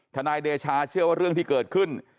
นายเดชาเชื่อว่าเรื่องที่เกิดขึ้น